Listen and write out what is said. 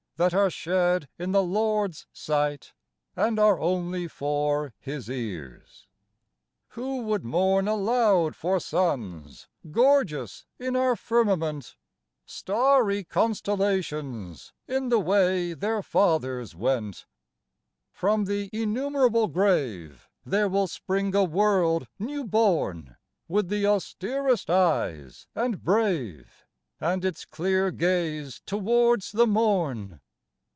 That are shed in the Lord's sight And are only for His ears. Who would mourn aloud for sons Gorgeous in our firmament, Starry constellations In the way their fathers went ? D 50 FLOWER OF YOUTH From the innumerable grave There will spring a world new born, With the austerest eyes and brave And its clear gaze towards the morn.